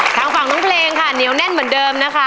ทางฝั่งน้องเพลงค่ะเหนียวแน่นเหมือนเดิมนะคะ